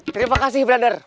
terima kasih brother